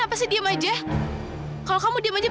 apa orang yang dari tadi ngejar mama kamu itu papa kamu